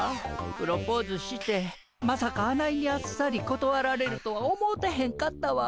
プロポーズしてまさかあないにあっさりことわられるとは思うてへんかったわ。